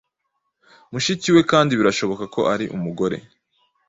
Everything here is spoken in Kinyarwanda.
Mushiki we kandi birashoboka ko ari umugore